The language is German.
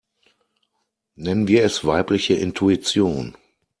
Nennen wir es weibliche Intuition.